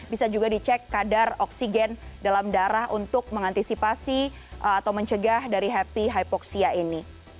bisa juga dicek kadar oksigen dalam darah untuk mengantisipasi atau mencegah dari happy hypoxia ini